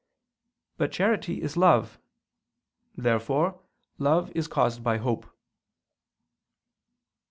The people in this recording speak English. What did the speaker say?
But charity is love. Therefore love is caused by hope.